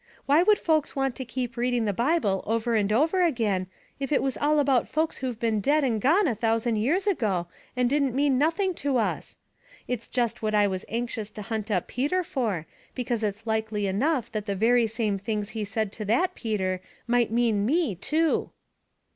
Why would folks want to keep reading the Bible over and over again, if it was all about folks who've been dead and gone a thousand years ago, and didn't mean nothing to us? It's just what I was anxious to hunt up Peter for, because it's likely enough that the very same things he said to that Peter might mean me too."